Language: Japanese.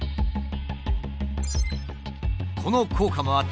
この効果もあってか